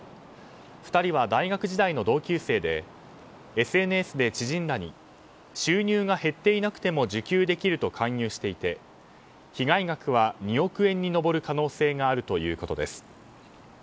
２人は大学時代の同級生でＳＮＳで知人らに収入が減っていなくても受給できると勧誘していて被害額は２億円に上る可能性があるということです。